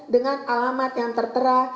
dengan alamat yang tertera